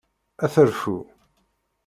Ad terfu.